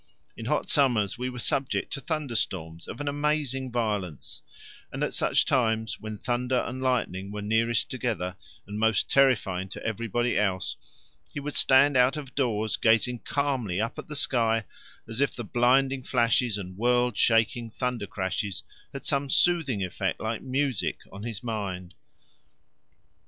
In hot summers we were subject to thunderstorms of an amazing violence, and at such times, when thunder and lightning were nearest together and most terrifying to everybody else, he would stand out of doors gazing calmly up at the sky as if the blinding flashes and world shaking thunder crashes had some soothing effect, like music, on his mind.